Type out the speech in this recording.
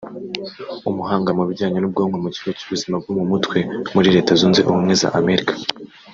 umuhanga mu bijyanye n’ubwonko mu kigo cy’ubuzima bwo mu mutwe muri Leta zunze ubumwe za Amerika